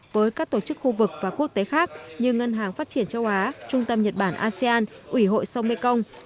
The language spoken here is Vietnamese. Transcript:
với các tổ chức khu vực và quốc tế khác như ngân hàng phát triển châu á trung tâm nhật bản asean ủy hội sông mekong